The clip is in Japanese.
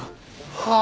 はあ？